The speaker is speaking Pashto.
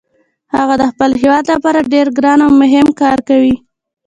هغه د خپل هیواد لپاره ډیر ګران او مهم کار کوي